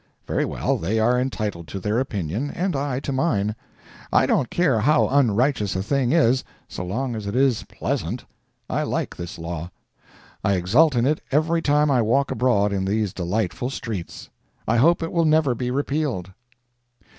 Very well, they are entitled to their opinion, and I to mine. I don't care how unrighteous a thing is, so long as it is pleasant—I like this law. I exult in it every time I walk abroad in these delightful streets. I hope it will never be repealed.